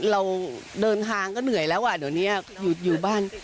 เราเดินทางก็เหนื่อยแล้วอะเดี๋ยวเนี่ย